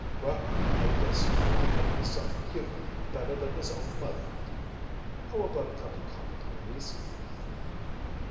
"Well, I guess you all know my son Hugo better than his own mother. How about a cup of coffee, ladies?"